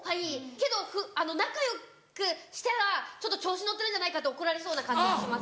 けど仲良くしたらちょっと調子乗ってるんじゃないかって怒られそうな感じはします。